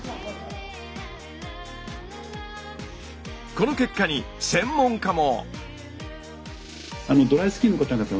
この結果に専門家も。